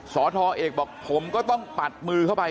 สทเอกบอกผมก็ต้องปัดมือเข้าไป